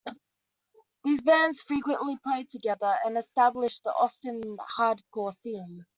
These bands frequently played together and established the Austin hardcore scene.